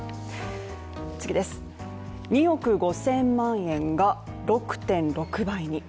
２億５０００万円が６．６倍に。